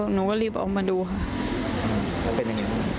หนูก็รีบออกมาดูค่ะ